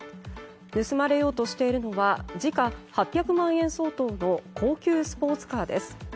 盗まれようとしているのは時価８００万円相当の高級スポーツカーです。